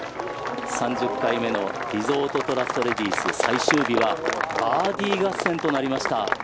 ３０回目のリゾートトラストレディス最終日はバーディー合戦となりました。